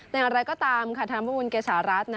แต่อย่างไรก็ตามธนบูรณ์เกษารัส